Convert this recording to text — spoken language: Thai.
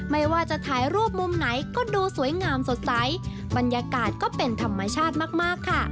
ไม่ว่าจะถ่ายรูปมุมไหนก็ดูสวยงามสดใสบรรยากาศก็เป็นธรรมชาติมากมากค่ะ